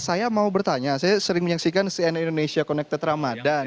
saya mau bertanya saya sering menyaksikan cnn indonesia connected ramadan